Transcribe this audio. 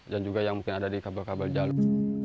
dan juga yang mungkin ada di kabel kabel jalur